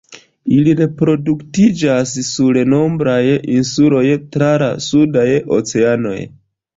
Ili reproduktiĝas sur nombraj insuloj tra la sudaj oceanoj.